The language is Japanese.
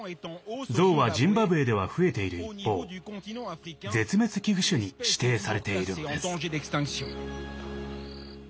ゾウはジンバブエでは増えている一方絶滅危惧種に指定されているのです。